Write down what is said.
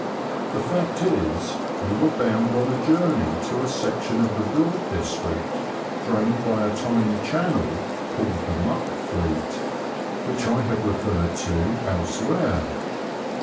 The fact is, we were bound on a journey to a section of the Broad district drained by a tiny channel called the " Muck Pleet/*^ which I have referred to elsewhere.